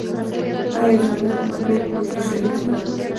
آیا ځوانان په پریکړو کې شریک دي؟